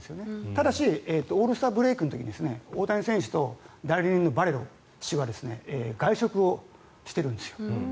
ただしオールスターブレークの時に大谷選手と代理人のバレロが外食をしてるんですよ。